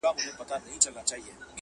ما چي خیبر ته حماسې لیکلې؛